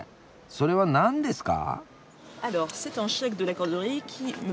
それは何ですか？